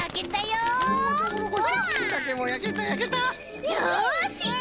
よし！